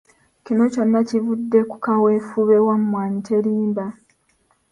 Kino kyonna kivudde ku kaweefube wa Mmwanyi Terimba.